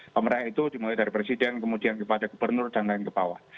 pemerintah itu dimulai dari presiden kemudian kepada gubernur dan lain ke bawah